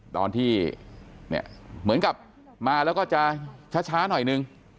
ตอนที่เหมือนกับมาแล้วก็จะช้าหน่อยนึง